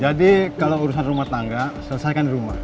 jadi kalau urusan rumah tangga selesaikan di rumah